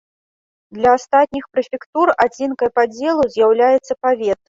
Для астатніх прэфектур адзінкай падзелу з'яўляецца павет.